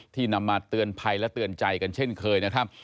นำมาเตือนภัยและเตือนใจกันเช่นเคยนะครับ